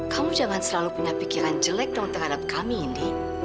kamu jangan selalu punya pikiran jelek dong terhadap kami ini